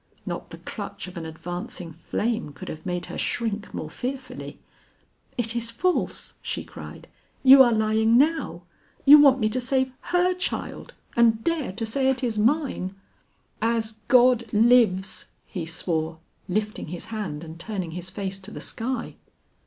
Not the clutch of an advancing flame could have made her shrink more fearfully. "It is false," she cried; "you are lying now; you want me to save her child, and dare to say it is mine." "As God lives!" he swore, lifting his hand and turning his face to the sky.